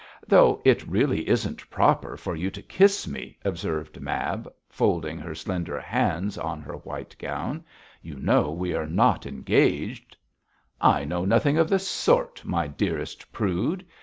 'Though it really isn't proper for you to kiss me,' observed Mab, folding her slender hands on her white gown. 'You know we are not engaged.' 'I know nothing of the sort, my dearest prude.